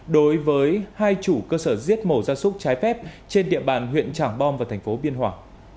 đối với hai chủ cơ sở giết mổ gia súc trái phép trên địa bàn huyện trảng bom và thành phố biên hòa